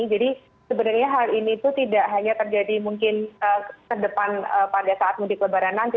jadi sebenarnya hal ini itu tidak hanya terjadi mungkin ke depan pada saat mudik lebaran nanti